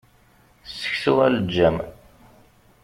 Seksu aleǧǧam.